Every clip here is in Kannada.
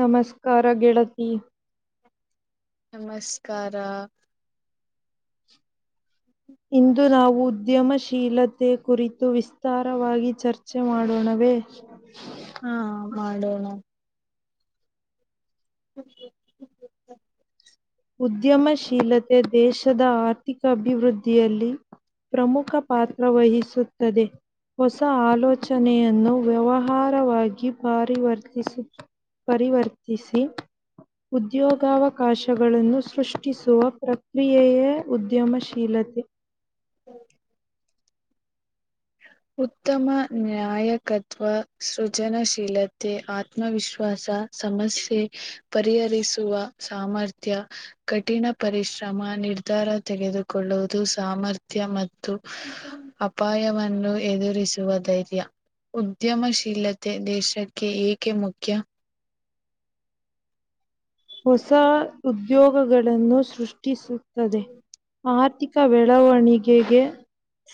ನಮಸ್ಕಾರ ಗೆಳತಿ ನಮಸ್ಕಾರ ಇಂದು ನಾವು ಉದ್ಯಮಶೀಲತ್ ತೆ ಕುರಿತು ವಿಸ್ತಾರವಾಗಿ ಚರ್ಚೆ ಮಾಡೋಣವೇ. ಹಾ ಮಾಡೋಣ. ಹ್ [unintelligible] ಉದ್ಯಮಶೀಲತೆ ದೇಶದ ಆರ್ಥಿಕ ಅಭಿವೃದ್ಧಿಯಲ್ಲಿ ಪ್ರಮುಖ ಪಾತ್ರ ವಹಿಸುತ್ತದೆ. ಹೊಸ ಆಲೋಚನೆಯನ್ನು ವ್ಯವಹಾರವಾಗಿ ಪಾರಿ ವರ್ತಿಸು. [inaudible] ಪರಿವರ್ತಿಸಿ ಉದ್ಯೋಗ ಅವಕಾಶ [inaudible] ಇವಳನ್ನು ಸೃಷ್ಟಿಸುವ ಪ್ರಕ್ರಿಯೆಯೇ ಉದ್ಯಮ ಶೀಲತೆ. [inaudible] ಹ [inaudible] ಉತ್ತಮ ನ್ಯಾಯಕತ್ವ ಸೃಜನಶೀಲತೆ ಆತ್ಮವಿಶ್ವಾಸ, [inaudible] ಸಮಸ್ಯೆ ಪರಿಹರಿಸುವ ಸಾಮರ್ಥ್ಯ, [inaudible] ಕಠಿಣ ಪರಿಶ್ರಮ ನಿರ್ಧಾರ ತೆಗೆದುಕೊಳ್ಳುವುದು ಸಾಮರ್ಥ್ಯ ಮತ್ತು [inaudible] ಅಪಾಯವನ್ನು ಎದುರಿಸುವ ಧೈರ್ಯ [inaudible] ಉದ್ಯಮಶೀಲತೆ ದೇಶಕ್ಕೆ ಏಕೆ ಮುಖ್ಯ? [inaudible] ಹೊಸ ಉದ್ಯೋಗಗಳನ್ನು ಸೃಷ್ಟಿಸುತ್ತದೆ. [inaudible] ಆರ್ಥಿಕ ಬೆಳವಣಿಗೆಗೆ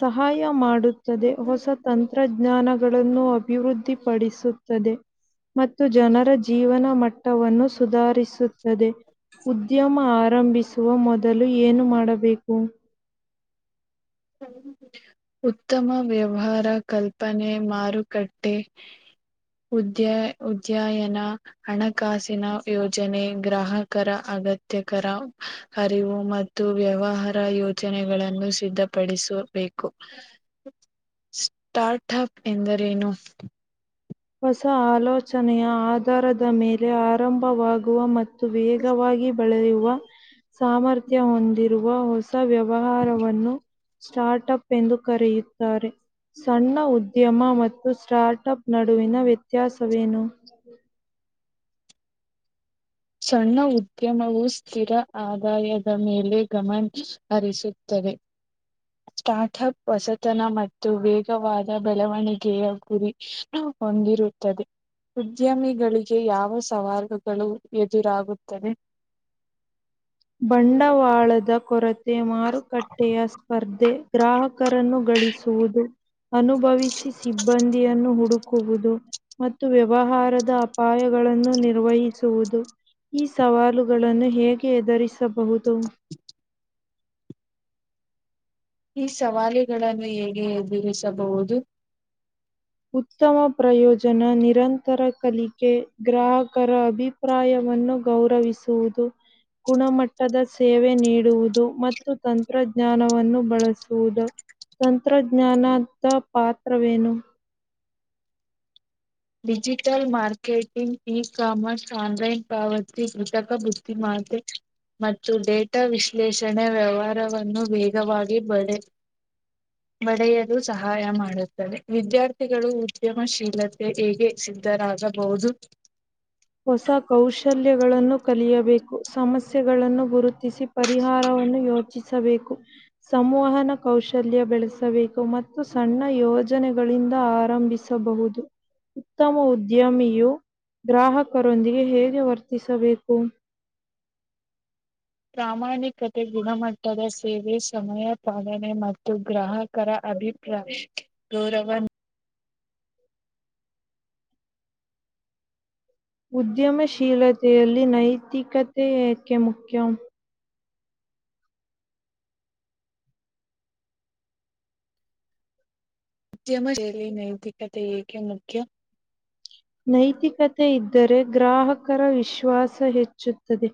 ಸಹಾಯ ಮಾಡುತ್ತದೆ. ಹೊಸ ತಂತ್ [inaudible] ತಂತ್ರಜ್ಞಾನಗಳನ್ನು ಅಭಿವೃದ್ಧಿಪಡಿಸುತ್ತದೆ. [inaudible] ಮತ್ತು ಜನರ ಜೀವನ ಮಟ್ಟವನ್ನು ಸುಧಾರಿಸು [inaudible] ತ್ತದೇ ಉದ್ಯಮ ಆರಂಭಿಸುವ ಮೊದಲು ಏನು ಮಾಡಬೇಕು. [inaudible] ಉತ್ತಮ ವ್ಯವಹಾರ ಕಲ್ಪನೆ ಮಾರುಕಟ್ಟೆ. [inaudible] ಉದ್ಯ ಉದ್ಯಯನಾ [inaudible] ಹಣಕಾಸಿನ ಯೋಜನೆ ಗ್ರಾಹಕರ ಅಗತ್ಯಕರ ಅರಿವು ಮತ್ತು [inaudible] ಮತ್ತು ವ್ಯವಹಾರ ಯೋಜನೆಗಳನ್ನು ಸಿದ್ಧ [inaudible] ಪಡಿಸಬೇಕು. ಸ್ಟಾರ್ಟ್ ಹಕ್ ಎಂದರೇನು? [inaudible] ಹೊಸ ಆಲೋಚನೆಯ ಆಧಾರದ ಮೇಲೆ ಆರಂಭವಾಗುವ ಮ [inaudible] ತ್ತು ವೇಗವಾಗಿ ಬೆಳೆಯುವ ಸಾಮರ್ಥ್ಯ ಹೊಂದಿರುವ ಹೊಸ [inaudible] ಹೊಸ ವ್ಯವಹಾರವನ್ನು ಸ್ಟಾರ್ಟ್ ಅಪ್ ಎಂದು ಕರೆಯುತ್ತಾರೆ. [inaudible] ಸಣ್ಣ ಉದ್ಯಮ ಮತ್ತು ಸ್ಟಾರ್ಟ್ಪ್ ನಡುವಿನ ವ್ಯತ್ಯಾಸವೇನು? [inaudible] ಸಣ್ಣ ಉದ್ಯಮವು ಸ್ಥಿರ ಆದಾಯದ ಮೇಲೆ ಗಮನ [inaudible] ಹರಿಸುತ್ತವೆ. [inaudible] ಸ್ಟಾರ್ಟ್ ಅಪ್ ಹೊಸತನ ಮತ್ತು ವೇಗವಾದ ಬೆಳವಣಿಗೆಯ ಗುರಿ [inaudible] ಹೊಂದಿರುತ್ತದೆ. [inaudible] ಉದ್ಯಮಿಗಳಿಗೆ ಯಾವ ಸವಾಲೂಗಳು ಎದುರಾಗುತ್ತವೆ. [inaudible] ಬಂಡವಾಳದ ಕೊರತೆ ಮಾರುಕಟ್ಟೆಯ ಸ್ಪರ್ಧೆ ಗ್ರಾಹಕ್ [inaudible] ಕರನ್ನು ಗಳಿಸುವುದು ಅನುಭವಿಸಿ ಸಿಬ್ಬಂದಿಯನ್ನು ಹುಡುಕುವುದು. [inaudible] ಮತ್ತು ವ್ಯವಹಾರದ ಅಪಾಯಗಳನ್ನು ನಿರ್ವಹಿಸುವುದು. [inaudible] ಈ ಸವಾಲುಗಳನ್ನು ಹೇಗೆ ಎದುರಿಸಬಹುದು. [inaudible] ಈ ಸವಾಲಿಗಳನ್ನು ಹೇಗೆ ಎದುರಿಸಬಹುದು? [inaudible] ಉತ್ತಮ ಪ್ರಯೋಜನ ನಿರಂತರ ಕಲಿಕೆ ಗ್ರಾಹಕರ ಅಭಿ [inaudible] ಪ್ರಾಯವನ್ನು ಗೌರವಿಸುವುದು. [inaudible] ಗುಣಮಟ್ಟದ ಸೇವೆ ನೀಡುವುದು ಮತ್ತು ತಂತ್ರಜ್ಞಾನವನ್ನು ಬಳಸುವುದು. [inaudible] ತಂತ್ರಜ್ಞಾನತಾ ಪಾತ್ರವೇನು? [inaudible] Digital marketing e commerce online ಪಾವತಿ ಕೃತಕ ಬುದ್ಧಿಮಾತೆ [inaudible] [unintelligible] ಮತ್ತು ಡೇಟಾ ವಿಶ್ಲೇಷಣೆ ವ್ಯವಹಾರವನ್ನು ವೇಗವಾಗಿ ಬಳೆ [inaudible] ಬಡೆಯಲು ಸಹಾಯ ಮಾಡುತ್ತದೆ. ವಿದ್ಯಾರ್ಥಿಗಳು ಉದ್ಯಮ ಶೀಲ [inaudible] ತೆ ಹೇಗೆ ಸಿದ್ಧರಾಗ ಬಹುದು? [inaudible] ಹೊಸ ಕೌಶಲ್ಯಗಳನ್ನು ಕಲಿಯಬೇಕು. ಸಮಸ್ಯೆಗಳನ್ನು ಗುರುತಿಸಿ. [inaudible] ಪರಿಹಾರವನ್ನು ಯೋಚಿಸಬೇಕು. [inaudible] ಸಮಮೋಹನ ಕೌಶಲ್ಯ ಬೆಳೆಸಬೇಕು ಮತ್ತು ಸಣ್ಣ ಯೋಜನೆಗಳಿಂದ ಆರಂಭಿಸ [inaudible] ಬಹುದು ಉತ್ತಮ ಉದ್ಯಮಿಯು ಗ್ರಾಹಕ [inaudible] ಅವರೊಂದಿಗೆ ಹೇಗೆ ವರ್ತಿಸಬೇಕು. ಪ್ರಾಮಾಣಿಕತೆ ಗುಣಮಟ್ಟದ ಸೇವೆ ಸಮಯ ಪಾಲನೆ ಮತ್ತು ಗ್ರಾಹಕರ ಅಭಿ ಪ್ರಾಯ್ ಗೌರವ ಉದ್ಯಮಶೀಲತೆಯಲ್ಲಿ ನೈತಿಕತೆ ಏಕೆ ಮುಖ್ಯಂ? ನೈತಿಕತೆ ಏಕೆ ಮುಖ್ಯ? ನೈತಿಕತೆ ಇದ್ದರೆ ಗ್ರಾಹಕರ ವಿಶ್ವಾಸ ಹೆಚ್ಚುತ್ತದೆ.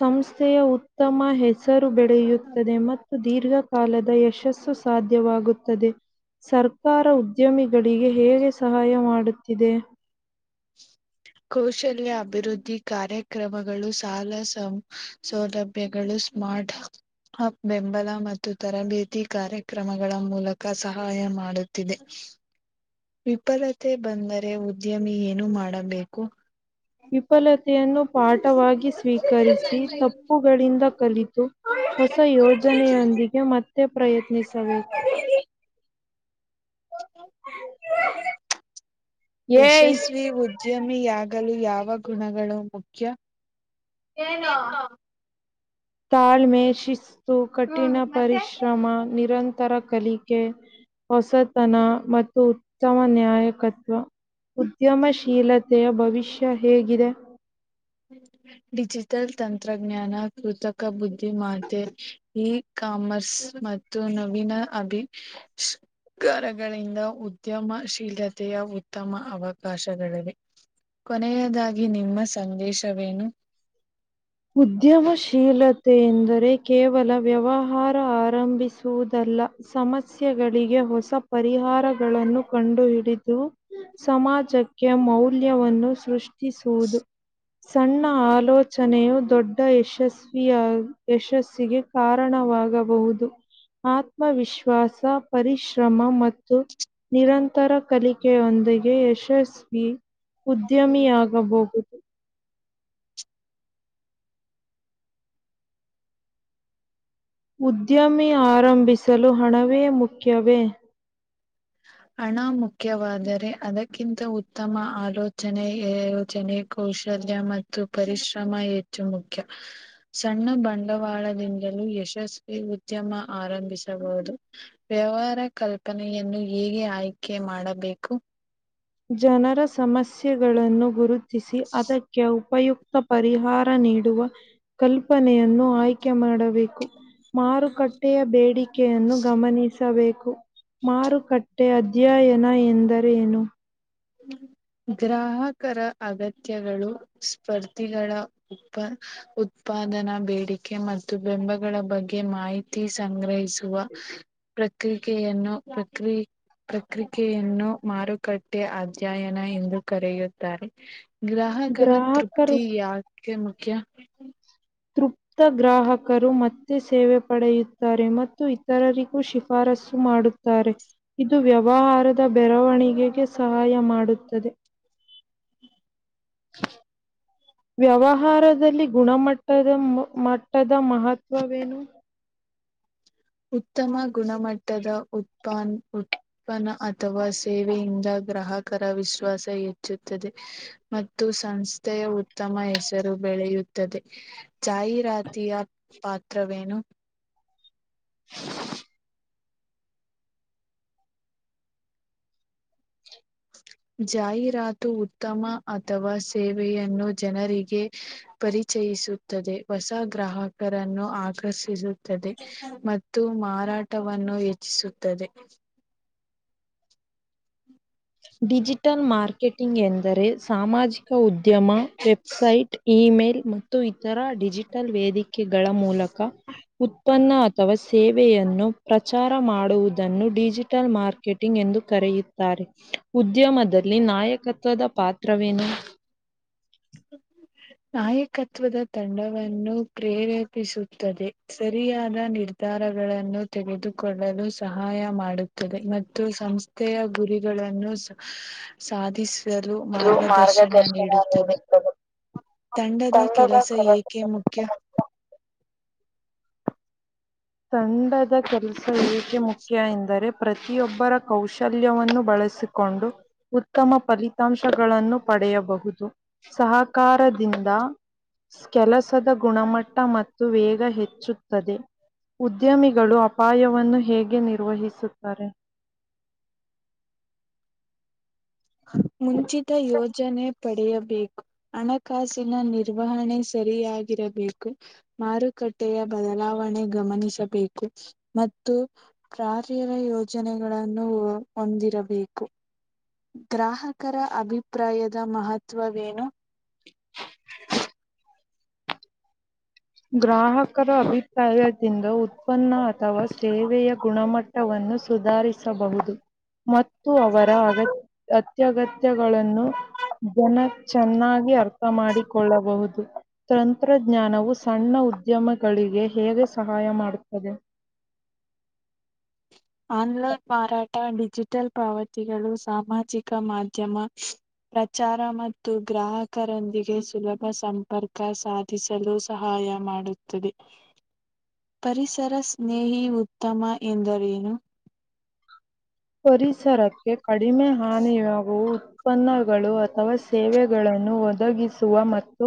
ಸಂಸ್ಥೆಯ ಉತ್ತಮ ಹೆಸ ಸರು ಬೆಳೆಯುತ್ತದೆ ಮತ್ತು ದೀರ್ಘಕಾಲದ ಯಶಸ್ಸು ಸಾಧ್ಯವಾಗುತ್ತದೆ. ಸರ್ಕಾರ ಉದ್ಯಮಿಗಳಿಗೆ ಹೇಗೆ ಸಹಾಯ ಮಾಡುತ್ತಿದೆ? ಕೌಶಲ್ಯ ಅಭಿವೃದ್ಧಿ ಕಾರ್ಯಕ್ರಮಗಳು ಸಾಲ ಸ ಸೌಲಬ್ ಭ್ಯಗಳು ಸ್ಮಾರ್ಟ್ ಹ ಬೆಂಬಲ ಮತ್ತು ತರಬೇತಿ ಕಾರ್ಯಕ್ರಮಗಳ ಮೂಲಕ ಸಹಾಯ ಮಾಡುತ್ತಿದೆ‌. ವಿಫಲತೆ ಬಂದರೆ ಉದ್ಯಮಿ ಏನು ಮಾಡಬೇಕು? ವಿಫಲತೆಯನ್ನು ಪಾಠವಾಗಿ ಸ್ವೀಕರಿಸಿ ತಪ್ಪುಗಳಿಂದ ಕಲಿತು ಹೊಸ ಯೋಜನೆಯೊಂದಿಗೆ ಮತ್ತೆ ಪ್ರಯತ್ನಿಸಬೇಕು. ಏಯ್ ಯಶಸ್ವಿ ಉದ್ ಉದ್ಯಮಿಯಾಗಲು ಯಾವ ಗುಣಗಳು ಮುಖ್ಯ? ಏನು? ತಾಳ್ಮೆ, ಶಿಸ್ತು, ಕಠಿಣ ಪರಿಶ್ರಮ, ನಿರಂತರ ಕಲಿಕೆ. ಹೊಸತನ ಮತ್ತು ಉತ್ತಮ ನ್ಯಾಯಕತ್ವ. ಉದ್ಯಮಶೀಲತೆಯ ಭವಿಷ್ಯ ಹೇಗಿದೆ? ಡಿಜಿಟಲ್ ತಂತ್ರಜ್ಞಾನ ಕೃತಕ ಬುದ್ಧಿಮಾತೆ ಈ ಕಾಮರ್ಸ್ ಮತ್ತು ನವೀನ ಅಭಿ [inaudible] ಗಾರಗಳಿಂದ ಉದ್ಯಮಶೀಲತೆಯ ಉತ್ತಮ ಅವಕಾಶಗಳಿವೆ. ಕೊನೆಯದಾಗಿ ನಿಮ್ಮ ಸಂದೇಶವೇನು? ಉದ್ಯಮಶೀಲತೆ ಎಂದರೆ ಕೇವಲ ವ್ಯವಹಾರ ಆರಂಭಿಸುವುದಲ್ಲ. ಸಮಸ್ಯೆಗಳಿಗೆ ಹೊಸ ಪರಿಹಾರಗಳನ್ನು ಕಂಡುಹಿಡಿದು ಸಮಾಜಕ್ಕೆ ಮೌಲ್ಯವನ್ನು ಸೃಷ್ಟಿಸುವುದು. ಸಣ್ಣ ಆಲೋಚನೆಯು ದೊಡ್ಡ ಯಶಸ್ವಿಯ ಯಶಸ್ಸಿಗೆ ಕಾರಣವಾಗಬಹುದು. ಆತ್ಮವಿಶ್ವಾಸ ಪರಿಶ್ರಮ ಮತ್ತು ನಿರಂತರ ಕಲಿಕೆಯೊಂದಿಗೆ ಯಶಸ್ವಿ ಉದ್ಯಮಿ ಆಗಬಹುದು. ಉದ್ಯಮಿ ಆರಂಭಿಸಲು ಹಣವೇ ಮುಖ್ಯವೇ? ಹಣ ಮುಖ್ಯವಾದರೆ ಅದಕ್ಕಿಂತ ಉತ್ತಮ ಆಲೋಚನೆ ಯೋಜನೆ. ಕೌಶಲ್ಯ ಮತ್ತು ಪರಿಶ್ರಮ ಹೆಚ್ಚು ಮುಖ್ಯ. ಸಣ್ಣ ಬಂಡವಾಳದಿಂದಲೂ ಯಶಸ್ವಿ ಉದ್ಯಮ ಆರಂಭಿಸಬಹುದು. ವ್ಯವಹಾರ ಕಲ್ಪನೆಯನ್ನು ಹೇಗೆ ಆಯ್ಕೆ ಮಾಡಬೇಕು? ಜನರ ಸಮಸ್ಯೆಗಳನ್ನು ಗುರುತಿಸಿ ಅದಕ್ಕೆ ಉಪಯುಕ್ತ ಪರಿಹಾರ ನೀಡುವ ಕಲ್ಪನೆಯನ್ನು ಆಯ್ಕೆ ಮಾಡಬೇಕು. ಮಾರುಕಟ್ಟೆಯ ಬೇಡಿ ಕೆಯನ್ನು ಗಮನಿಸಬೇಕು ಮಾರುಕಟ್ಟೆ ಅಧ್ಯಯನ ಎಂದರೆ ಏನು? ಗ್ರಾಹಕರ ಅಗತ್ಯಗಳು ಸ್ಪರ್ಧಿಗಳ ಉಪ ಉತ್ಪಾದನಾ ಬೇಡಿಕೆ ಮತ್ತು ಬೆಂಬಗಳ ಬಗ್ಗೆ ಮಾಹಿತಿ. [unintelligible] ಸಂಗ್ರಹಿಸುವ ಪ್ರಕ್ರಿಕೆಯನ್ನು ಪ್ರಕ್ರಿ ಪ್ರಕ್ರಿಕೆಯನ್ನು ಮಾರುಕಟ್ಟೆ ಅಧ್ಯಾಯನ ಎಂದು ಕರೆಯುತ್ತಾರೆ ಗ್ರಾಹಕರ ಗ್ರಾಹಕರು ತೃಪ್ತಿ ಯಾ [unintelligible] ಮುಖ್ಯ ತೃಪ್ತ್ ಗ್ರಾಹಕರು ಮತ್ತೆ ಸೇವೆ ಪಡೆಯುತ್ತಾರೆ ಮತ್ತು ಇತರರಿಗೂ ಶಿಫಾರಸ್ಸು ಮಾಡುತ್ತಾ ತ್ತಾರೆ ಇದು ವ್ಯವಹಾರದ ಬೆರವಣಿಗೆಗೆ ಸಹಾಯ ಮಾಡುತ್ತದೆ. [unintelligible] ವ್ಯವಹಾರ ದಲ್ಲಿ ಗುಣಮಟ್ಟದ ಮಟ್ಟದ ಮಹತ್ವವೇನು ಉತ್ತಮ ಗುಣಮಟ್ಟದ ಉತ್ಪಾನ್ ಉತ್ಪ ಉತ್ಪನ್ನ ಅಥವಾ ಸೇವೆಯಿಂದ ಗ್ರಾಹಕರ ವಿಶ್ವಾಸ ಹೆಚ್ಚುತ್ತದೆ ಮತ್ತು ಸಂಸ್ಥೆಯ ಉತ್ತಮ ಹೆಸರು ಬೆಳೆಯುತ್ತದೆ. ಜಾಹೀರಾತಿಯ ಪಾತ್ರವೇನು [inaudible] ಜಾಹೀರಾತು ಉತ್ತಮ ಅಥವಾ ಸೇವೆಯನ್ನು ಜನರಿಗೆ ಪರಿಚಯಿಸುತ್ತದೆ ಹೊಸ ಗ್ರಾಹಕರನ್ನು ಆಕರ್ಷಿಸು ತ್ತದೆ ಮತ್ತು ಮಾರಾಟವನ್ನು ಹೆಚ್ಚಿಸುತ್ತದೆ. ಡಿಜಿಟಲ್ ಮಾರ್ಕೆಟಿಂಗ್ ಎಂದರೆ ಸಾಮಾಜಿ ಕ ಉದ್ಯಮ ವೆಬ್ಸೈಟ್ ಇಮೇಲ್ ಮತ್ತು ಮತ್ತು ಇತರ ಡಿಜಿಟಲ್ ವೇದಿಕೆಗಳ ಮೂಲಕ ಉತ್ಪನ್ನ ಅಥವಾ ಸೇವೆಯನ್ನು ಪ್ರಚಾರ ಮಾಡುವುದನ್ನು ಡಿಜಿಟಲ್ ಮಾರ್ಕೆಟಿಂಗ್ ಎಂದು ಕರೆಯುತ್ತಾರೆ. ಉದ್ಯಮದಲ್ಲಿ ನಾಯಕತ್ವದ ಪಾತ್ರವೇನು [inaudible] ನಾಯಕತ್ವದ ತಂಡವನ್ನು ಪ್ರೇರೇಪಿಸುತ್ತದೆ ಸರಿಯಾದ ನಿರ್ಧಾರ ನಿರ್ಧಾರಗಳನ್ನು ತೆಗೆದುಕೊಳ್ಳಲು ಸಹಾಯ ಮಾಡುತ್ತದೆ ಮತ್ತು ಸಂಸ್ [unintelligible] ಗುರಿಗಳನ್ನು ಹಾ ಸಾಧಿಸಿ [unintelligible] ಮಾರ್ಗದರ್ಶನ ನೀಡುತ್ತದೆ ತಂಡದ ಕೆಲಸ ಏಕೆ ಮುಖ್ಯ ತಂಡದ ಕೆಲಸ ಏಕೆ ಮುಖ್ಯ ಎಂದರೆ ಪ್ರತಿಯೊಬ್ಬರ ಕೌಶಲ್ಯವನ್ನು ಬಳಸು ಕೊಂಡು ಉತ್ತಮ ಫಲಿತಾಂಶಗಳನ್ನು ಪಡೆಯಬಹುದು. ಸಹಕಾರದಿಂದ ಕೆಲಸದ ಗುಣಮಟ್ಟ ಮತ್ತು ವೇಗ ಹೆಚ್ಚುತ್ತದೆ ಉದ್ಯಮಿಗಳು ಅಪಾಯವನ್ನು ಹೇಗೆ ನಿರ್ವಹಿಸುತ್ತಾರೆ. ಮುಂಚಿತ ಯೋಜ್ ಜನೆ ಪಡೆಯಬೇಕು ಹಣಕಾಸಿನ ನಿರ್ವಹಣೆ ಸರಿಯಾಗಿರಬೇಕು ಮಾರುಕಟ್ಟೆಯ ಬದಲಾವಣೆ ಗಮನಿಸಬೇಕು ಮತ್ತು ಕ್ರಾರ್ಯರ ಯೋಜನೆಗಳನ್ನು ಹೊಂದಿರಬೇಕು ಗ್ರಾಹಕರ ಅಭಿಪ್ರಾಯದ ಮಹತ್ವವೇನು [inaudible] [inaudible] ಗ್ರಾಹಕರ ಅಭಿಪ್ರಾಯದಿಂದ ಉತ್ಪನ್ನ ಅಥವಾ ಸೇವೆಯ ಗುಣಮಟ್ಟ್ ವನ್ನು ಸುಧಾರಿಸಬಹುದು ಮತ್ತು ಅವರ ಅಗತ್ಯ್ ಅತ್ಯಗತ್ಯಗಳನ್ನು ಜನ ಚೆನ್ನಾಗಿ ಅರ್ಥ ಮಾಡಿಕೊಳ್ಳಬಹುದು ತಂತ್ರಜ್ಞಾನವು ಸಣ್ಣ ಉದ್ಯಮಗಳಿಗೆ ಹೇಗೆ ಸಹಾಯ ಮಾಡುತ್ತದೆ. ಒನ್ ಲೈನ್ ಮಾರಾಟ ಡಿಜಿಟಲ್ ಪಾವತಿಗಳು ಸಾಮಾಜಿಕ ಮಾಧ್ಯಮ [inaudible] ಪ್ರಚಾರ ಮತ್ತು ಗ್ರಾಹಕರೊಂದಿಗೆ ಸುಲಭ ಸಂಪರ್ಕ ಸಾ [inaudible] ದ್ಯಸಲು ಸಹಾಯ ಮಾಡುತ್ತದೆ. [inaudible] ಪರಿಸರ ಸ್ನೇಹಿ ಉತ್ತಮ ಎಂದರೇನು? [inaudible] ಪರಿಸರಕ್ಕೆ ಕಡಿಮೆ ಹಾನಿಯಾಗುವು [inaudible] ಉತ್ಪನ್ನಗಳು ಅಥವಾ ಸೇವೆಗಳನ್ನು ಒದಗಿಸುವ ಮತ್ತು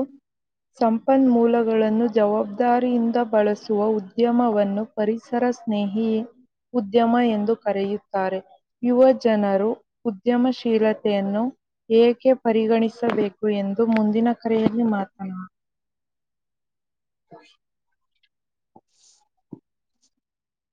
ಸಂಪನ್ಮೂಲಗಳನ್ನು ಜವಾಬ್ದಾರಿಯಿಂದ ಬಳಸುವ ಉದ್ಯಮವನ್ನು [inaudible] ಪರಿಸರ ಸ್ನೇಹಿ ಉದ್ಯಮ ಎಂದು ಕರೆಯು [inaudible] ತ್ತಾರೆ ಯುವ ಜನರು ಉದ್ಯಮ ಶೀಲತೆಯನ್ನು ಏಕೆ ಪರಿಗಣಿಸಬೇಕು ಎಂದು ಮುಂದಿನ ಕರೆಯಲ್ಲಿ ಮಾತನಾ [inaudible]